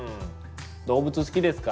動物好きですか？